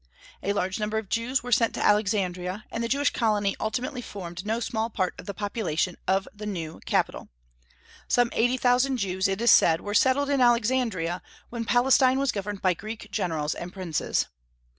A large number of Jews were sent to Alexandria, and the Jewish colony ultimately formed no small part of the population of the new capital. Some eighty thousand Jews, it is said, were settled in Alexandria when Palestine was governed by Greek generals and princes.